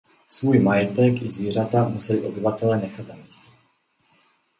Svůj majetek i zvířata museli obyvatelé nechat na místě.